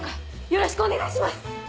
よろしくお願いします！